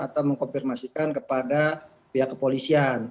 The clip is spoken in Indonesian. atau mengkonfirmasikan kepada pihak kepolisian